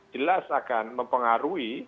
jelas akan mempengaruhi